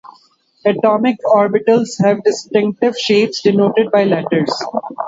Atomic orbitals have distinctive shapes denoted by letters.